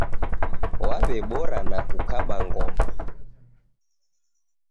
Waw'ebora na kukaba ngoma.